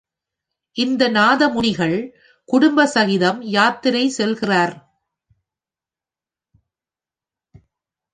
இந்த நாதமுனிகள் குடும்ப சகிதம் யாத்திரை செய்கிறார்.